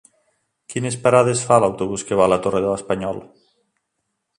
Quines parades fa l'autobús que va a la Torre de l'Espanyol?